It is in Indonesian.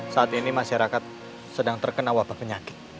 saat ini masyarakat sedang terkena wabah penyakit